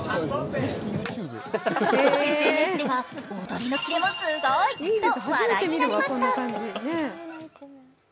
ＳＮＳでは踊りのキレもすごいと話題になりました。